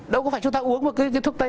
đâu có phải chúng ta uống một cái thuốc tây